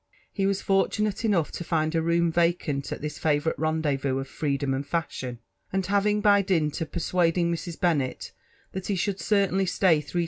He was fortunate enough to find a. room vacant at this favourite rendezvous of freedom and fashion; and having, by dint of persuading Mrs.Bennet that he should certainly stay three.